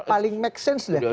paling make sense ya